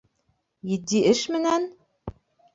Етди эш менән?!